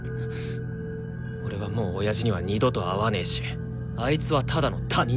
俺はもう親父には二度と会わねえしあいつはただの他人だ。